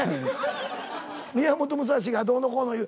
宮本武蔵がどうのこうのいう。